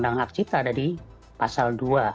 undang hak cipta ada di pasal dua